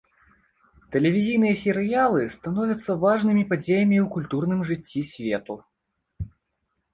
Тэлевізійныя серыялы становяцца важнымі падзеямі ў культурным жыцці свету.